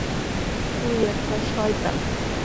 তুই একটা শয়তান!